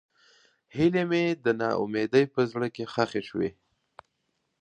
هیلې مې د نا امیدۍ په زړه کې ښخې شوې.